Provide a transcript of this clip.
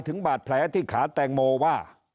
ถึงบาดแผลที่ขาแตงโมว่า